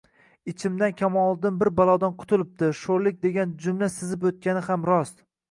Ichimdan Kamoliddin bir balodan qutulibdi, sho`rlik degan jumla sizib o`tgani ham rost